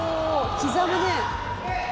「刻むね」